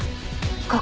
ここ。